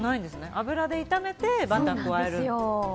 油で炒めてバターを加える。